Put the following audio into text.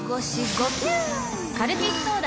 カルピスソーダ！